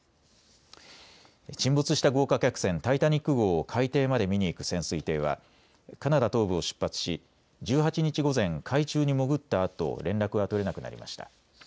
沈没した豪華客船、タイタニック号を海底まで見に行く潜水艇はカナダ東部を出発し１８日午前、海中に潜ったあと連絡が取れなくなりました。